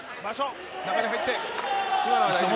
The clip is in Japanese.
中に入って。